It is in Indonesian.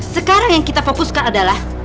sekarang yang kita fokuskan adalah